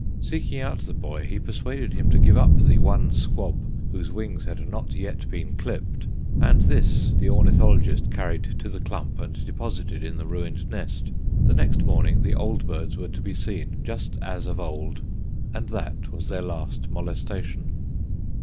Seeking out the boy he persuaded him to give up the one "squab" whose wings had not yet been clipped, and this the ornithologist carried to the clump and deposited in the ruined nest. The next morning the old birds were to be seen, just as of old, and that was their last molestation.